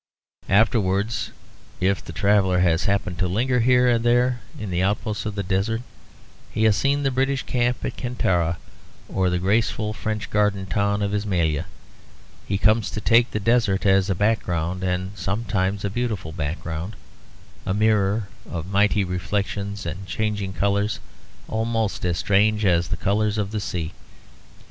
Afterwards, if the traveller has happened to linger here and there in the outposts of the desert, has seen the British camp at Kantara or the graceful French garden town of Ismalia, he comes to take the desert as a background, and sometimes a beautiful background; a mirror of mighty reflections and changing colours almost as strange as the colours of the sea.